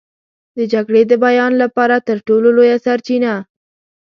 د جګړې د بیان لپاره تر ټولو لویه سرچینه.